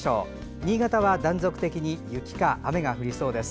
新潟は断続的に雪か雨が降りそうです。